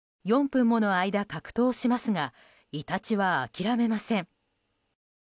４分もの間、格闘しますがイタチは諦めません。